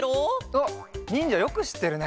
あっにんじゃよくしってるね。